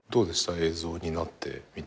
映像になってみて。